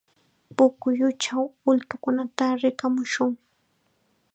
Pukyuchaw ultukunata rikamushun.